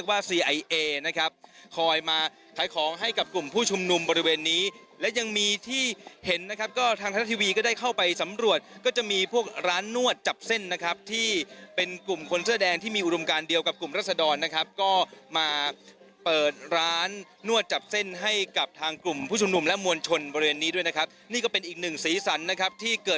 ซีไอเอนะครับคอยมาขายของให้กับกลุ่มผู้ชุมนุมบริเวณนี้และยังมีที่เห็นนะครับก็ทางไทยรัฐทีวีก็ได้เข้าไปสำรวจก็จะมีพวกร้านนวดจับเส้นนะครับที่เป็นกลุ่มคนเสื้อแดงที่มีอุดมการเดียวกับกลุ่มรัศดรนะครับก็มาเปิดร้านนวดจับเส้นให้กับทางกลุ่มผู้ชุมนุมและมวลชนบริเวณนี้ด้วยนะครับนี่ก็เป็นอีกหนึ่งสีสันนะครับที่เกิด